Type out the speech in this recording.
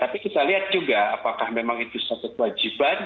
tapi kita lihat juga apakah memang itu suatu kewajiban